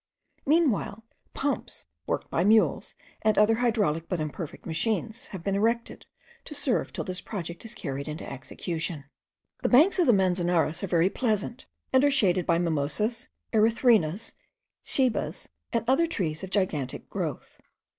Meanwhile, pumps worked by mules, and other hydraulic but imperfect machines, have been erected, to serve till this project is carried into execution. The banks of the Manzanares are very pleasant, and are shaded by mimosas, erythrinas, ceibas, and other trees of gigantic growth.